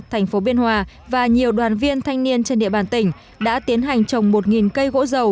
thành phố biên hòa và nhiều đoàn viên thanh niên trên địa bàn tỉnh đã tiến hành trồng một cây gỗ dầu